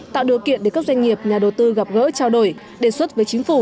tạo điều kiện để các doanh nghiệp nhà đầu tư gặp gỡ trao đổi đề xuất với chính phủ